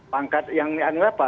pangkat yang berapa